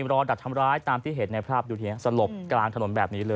รอดักทำร้ายตามที่เห็นในภาพดูทีฮะสลบกลางถนนแบบนี้เลย